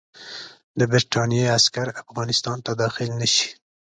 د برټانیې عسکر افغانستان ته داخل نه شي.